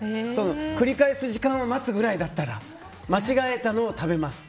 繰り返す時間を待つぐらいだったら間違えたのを食べます。